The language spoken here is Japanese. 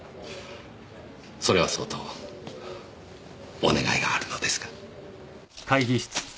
それはそうとお願いがあるのですが。